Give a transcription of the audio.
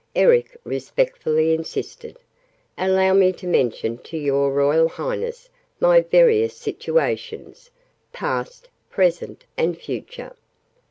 Eric respectfully insisted. "Allow me to mention to your Royal Highness my various situations past, present, and future."